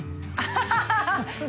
ハハハ